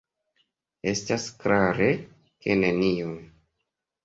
Estas klare, ke nenion!